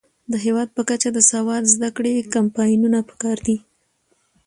د هیواد په کچه د سواد زده کړې کمپاینونه پکار دي.